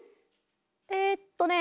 えっとねえ。